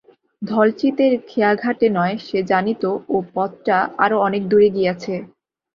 ধলচিতের খেয়াঘাটে নয়, সে জানিত, ও পথটা আরও অনেক দূরে গিয়াছে।